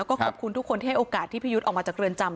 แล้วก็ขอบคุณทุกคนที่ให้โอกาสที่พี่ยุทธ์ออกมาจากเรือนจำ